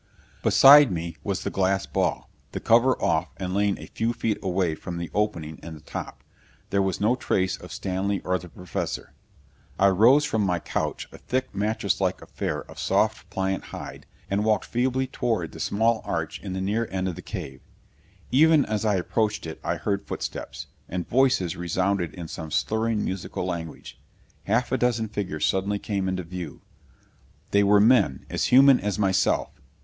Beside me was the glass ball, the cover off and lying a few feet away from the opening in the top. There was no trace of Stanley or the Professor. I rose from my couch, a thick, mattresslike affair of soft, pliant hide, and walked feebly toward the small arch in the near end of the cave. Even as I approached it I heard footsteps, and voices resounded in some slurring, musical language. Half a dozen figures suddenly came into view. They were men, as human as myself!